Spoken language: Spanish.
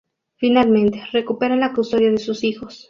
Finalmente, recupera la custodia de sus hijos.